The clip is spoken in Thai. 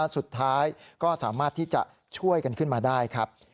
สุดท้ายก็สามารถที่จะช่วยกันขึ้นมาได้ครับ